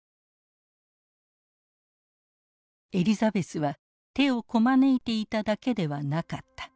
エリザベスは手をこまねいていただけではなかった。